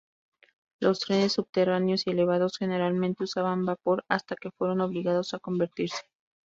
Los trenes subterráneos y elevados generalmente usaban vapor hasta que fueron obligados a convertirse.